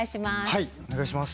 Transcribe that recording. はいお願いします。